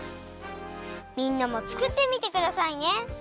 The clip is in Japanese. みんなもつくってみてくださいね！